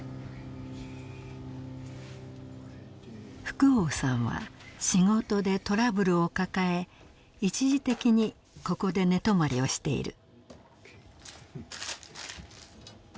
福王さんは仕事でトラブルを抱え一時的にここで寝泊まりをしている。